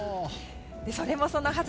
それもそのはず